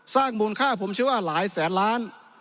มูลค่าผมเชื่อว่าหลายแสนล้าน